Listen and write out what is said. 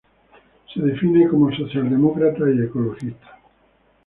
Se define como socialdemócrata y ecologista.